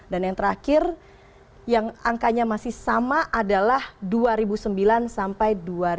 dan yang terakhir yang angkanya masih sama adalah dua ribu sembilan sampai dua ribu empat belas